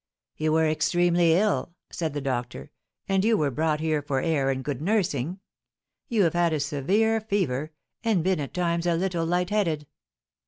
"You were extremely ill," said the doctor, "and you were brought here for air and good nursing. You have had a severe fever, and been at times a little lightheaded."